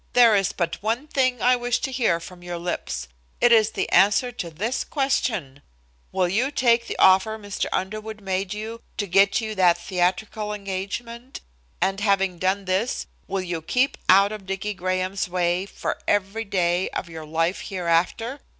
"There is but one thing I wish to hear from your lips; it is the answer to this question: Will you take the offer Mr. Underwood made you, to get you that theatrical engagement, and, having done this, will you keep out of Dicky Graham's way for every day of your life hereafter?